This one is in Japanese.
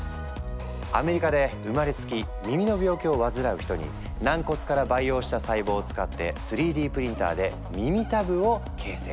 アメリカで生まれつき耳の病気を患う人に軟骨から培養した細胞を使って３Ｄプリンターで耳たぶを形成。